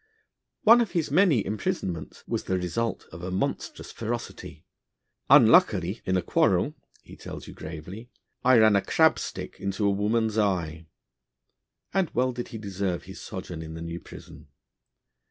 One of his many imprisonments was the result of a monstrous ferocity. 'Unluckily in a quarrel,' he tells you gravely, 'I ran a crab stick into a woman's eye'; and well did he deserve his sojourn in the New Prison.